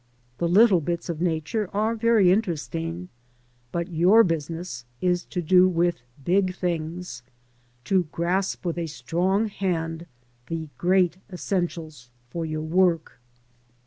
The little bits of Nature are very interesting, but your business is to do with big things, to grasp with a strong hand the great essentials for your work.